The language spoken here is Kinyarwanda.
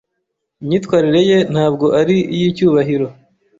Imyitwarire ye ntabwo ari iy'icyubahiro.